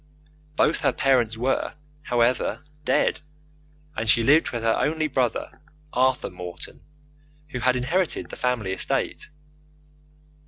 Both her parents were, however, dead, and she lived with her only brother, Arthur Morton, who had inherited the family estate.